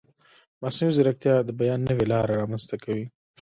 مصنوعي ځیرکتیا د بیان نوې لارې رامنځته کوي.